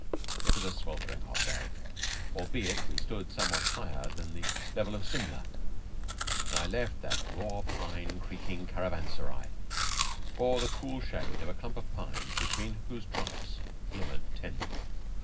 It was a sweltering hot day, albeit we stood some what higher than the level of Simla, and I left that raw pine creaking caravansary for the cool shade of a clump of pines between whose trunks glimmered tents.